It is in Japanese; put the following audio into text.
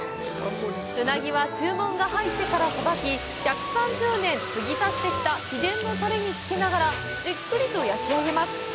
うなぎは注文が入ってからさばき、１３０年継ぎ足してきた秘伝のタレにつけながらじっくりと焼き上げます。